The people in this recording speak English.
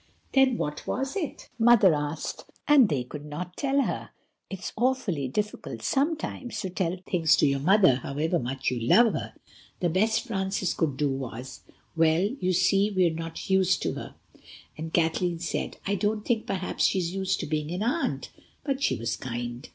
"Then what was it?" Mother asked. And they could not tell her. It is sometimes awfully difficult to tell things to your mother, however much you love her. The best Francis could do was: "Well—you see we're not used to her." And Kathleen said: "I don't think perhaps she's used to being an aunt. But she was kind."